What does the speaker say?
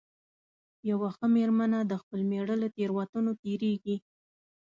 یوه ښه مېرمنه د خپل مېړه له تېروتنو تېرېږي.